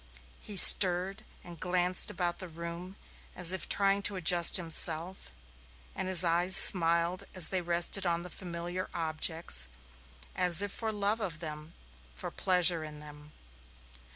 He stirred and glanced about the room as if trying to adjust himself, and his eyes smiled as they rested on the familiar objects, as if for love of them, for pleasure in them.